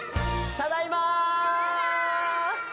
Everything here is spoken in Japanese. ただいま！